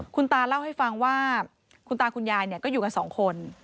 คุณตาเล่าให้ฟังว่าคุณตาคุณยายก็อยู่กันสองคน